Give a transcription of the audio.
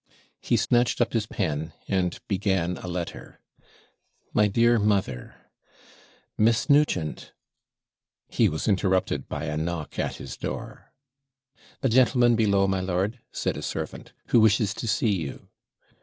He snatched up his pen, and began a letter. My dear mother Miss Nugent ' He was interrupted by a knock at his door. 'A gentleman below, my lord,' said a servant, 'who wishes to see you.'